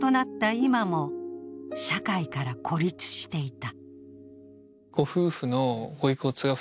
今も社会から孤立していた。